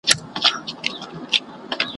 اوبه د ټولو ژوندی موجوداتو اړتیا ده.